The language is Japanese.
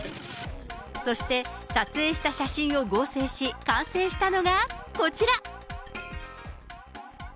そして、撮影した写真を合成し、完成したのがこちら。